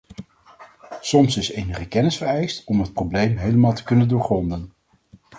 Soms is enige kennis vereist om het probleem helemaal te kunnen doorgronden.